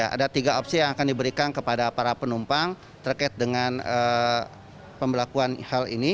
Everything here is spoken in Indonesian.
ada tiga opsi yang akan diberikan kepada para penumpang terkait dengan pembelakuan hal ini